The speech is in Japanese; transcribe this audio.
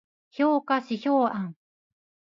評価指標案